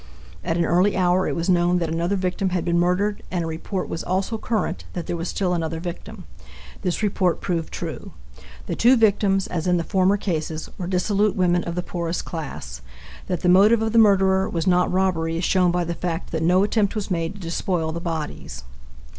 At an early hour it was known that another woman had been murdered, and a report was also current that there was still another victim. This report proved true. The two victims, as in the former cases, were dissolute women of the poorest class. That the motive of the murderer was not robbery is shown by the fact that no attempt was made to despoil the bodies.